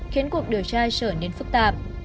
khiến cuộc điều tra trở nên phức tạp